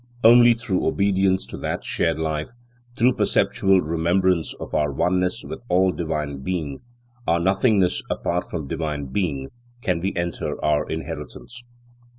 Only through obedience to that shared Life, through perpetual remembrance of our oneness with all Divine Being, our nothingness apart from Divine Being, can we enter our inheritance.